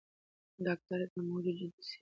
ډاکټران دا موضوع جدي څېړي.